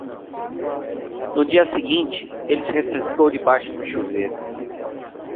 No dia seguinte, ele se refrescou debaixo do chuveiro.